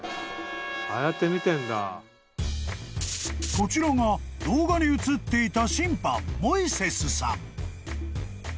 ［こちらが動画に映っていた］